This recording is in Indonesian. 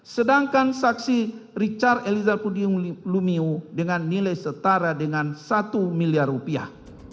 sedangkan saksi richard eliezer pudium lumiu dengan nilai setara dengan satu miliar rupiah